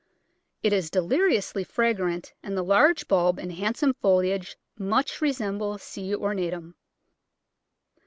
It is deliriously fragrant, and the large bulb and handsome foliage much resemble C. ornatum.